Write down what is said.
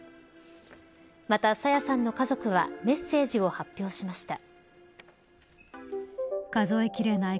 また、朝芽さんの家族はメッセージを発表しました。